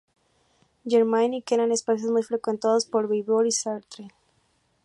Germain y que eran espacios muy frecuentados por Beauvoir y Sartre.